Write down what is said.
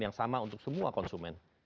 yang sama untuk semua konsumen